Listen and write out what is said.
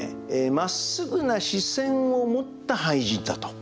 まっすぐな視線をもった俳人だと。